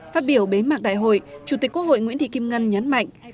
phát biểu bế mạc đại hội chủ tịch quốc hội nguyễn thị kim ngân nhấn mạnh